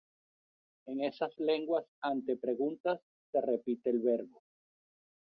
En esas lenguas ante preguntas, se repite el verbo.